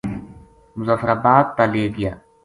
مظفرآباد تا لے گیا